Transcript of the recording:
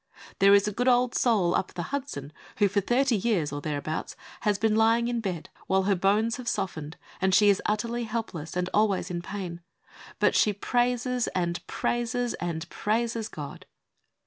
There is a good old soul up the Hudson who for thirty years or thereabout has been lying in bed, while her bones have softened, and she is utterly helpless and always in pain, but she praises and praises and praises God.